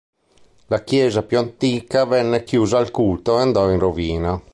La chiesa più antica venne chiusa al culto e andò in rovina.